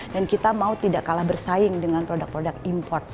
dan kita mau tidak kalah bersaing dengan produk produk import